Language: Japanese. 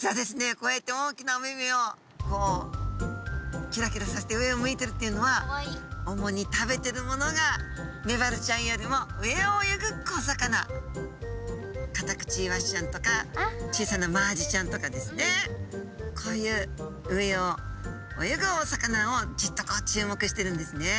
こうやって大きなお目々をこうキラキラさせて上を向いてるっていうのはカタクチイワシちゃんとか小さなマアジちゃんとかですねこういう上を泳ぐお魚をジッとこう注目してるんですね。